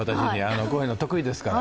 こういうの得意ですから。